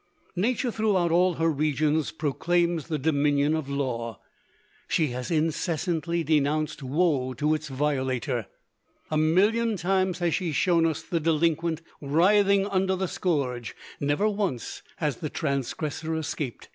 Nature throughout all her regions proclaims the dominion of law. She has incessantly denounced woe to its violator. A million times has she shown us the delinquent writhing under the scourge. Never once has the transgressor escaped.